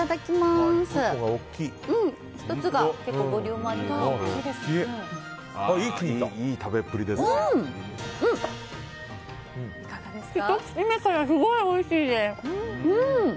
すごいおいしいです！